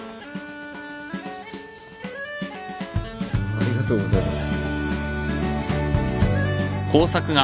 ありがとうございます。